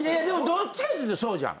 どっちかっていうとそうじゃん。